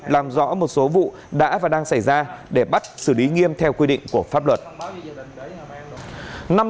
làm rõ một số vụ đã và đang xảy ra để bắt xử lý nghiêm theo quy định của pháp luật